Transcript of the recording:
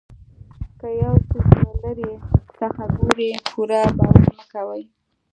که یو څیز له لرې څخه ګورئ پوره باور مه کوئ.